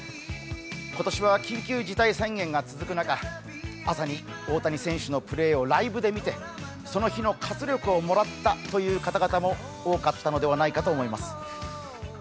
今年は緊急事態宣言が続く中、朝に大谷選手のプレーをライブで見てその日の活力をもらったという方々も多かったのではないかと思います。